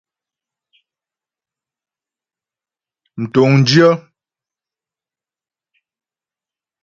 Mtuŋdyə́.